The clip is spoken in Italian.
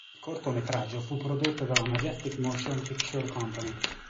Il cortometraggio fu prodotto dalla Majestic Motion Picture Company.